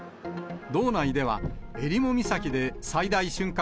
道内では、えりも岬で最大瞬間